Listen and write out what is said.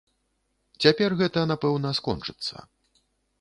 Цяпер гэта, напэўна, скончыцца.